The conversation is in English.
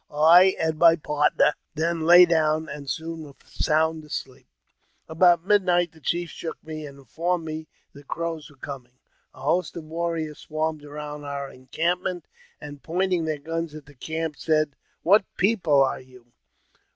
I and my partner then lay down, and soon were sound asleep. About midnight the chief shook me,, and informed me the Crows were coming. A host of warriors swarmed around our encampment, and pointing their guns at the camp, said, "What people are you?